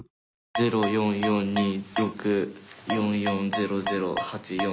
０４４２６４４００８４。